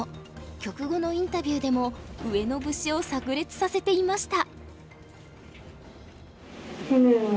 局後のインタビューでも上野節をさく裂させていました。